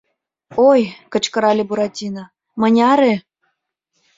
— Ой, — кычкырале Буратино, — мыняре?